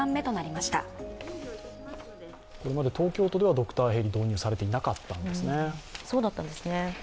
これまで東京都ではドクターヘリは導入されていなかったんですね。